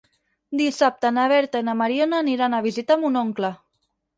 Dissabte na Berta i na Mariona aniran a visitar mon oncle.